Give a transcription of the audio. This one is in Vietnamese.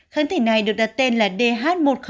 kháng thể này được đặt tên là dh một nghìn bốn mươi bảy